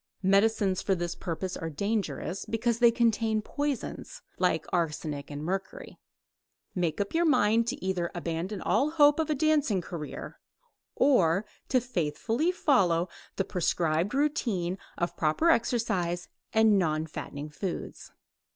Medicines for this purpose are dangerous, because they contain poisons, like arsenic and mercury. Make up your mind to either abandon all hope of a dancing career, or to faithfully follow the prescribed routine of proper exercise and non fattening foods.